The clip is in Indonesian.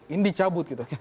ini dicabut gitu